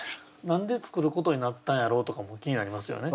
何で作ることになったんやろうとかも気になりますよね。